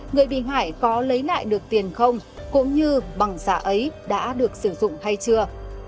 người bị hại có lấy lại được tiền không cũng như bằng giả ấy đã được sử dụng hay chưa